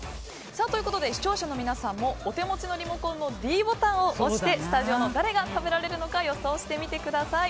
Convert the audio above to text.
視聴者の皆さんもお手持ちのリモコンのｄボタンを押してスタジオの誰が食べられるのか予想してみてください。